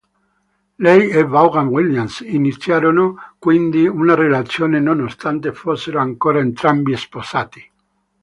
Lei e Vaughan Williams iniziarono quindi una relazione nonostante fossero ancora entrambi sposati.